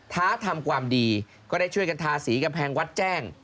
ทำความดีก็ได้ช่วยกันทาสีกำแพงวัดแจ้ง